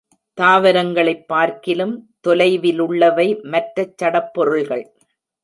தாவரங்களைப் பார்க்கிலும் தொலைவிலுள்ளவை மற்றைச் சடப் பொருள்கள்.